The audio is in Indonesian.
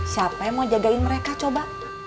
siapa yang mau jagain mereka coba